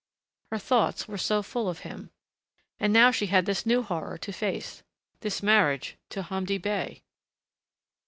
Her thoughts were so full of him. And now she had this new horror to face, this marriage to Hamdi Bey.